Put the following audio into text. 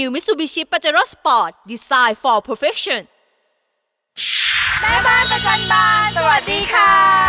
แม่บ้านประจันบรรย์สวัสดีค่ะ